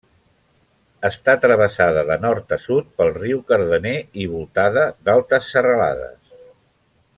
Està travessada de nord a sud, pel riu Cardener, i voltada d'altes serralades.